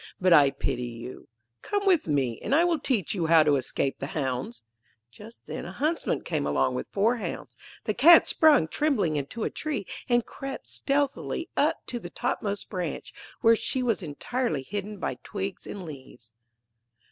But I pity you. Come with me, and I will teach you how to escape the hounds.' Just then, a huntsman came along with four hounds. The Cat sprang trembling into a tree, and crept stealthily up to the topmost branch, where she was entirely hidden by twigs and leaves.